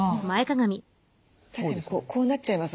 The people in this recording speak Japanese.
確かにこうなっちゃいます